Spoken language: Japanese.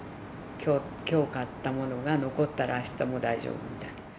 今日買ったものが残ったらあしたも大丈夫みたいな。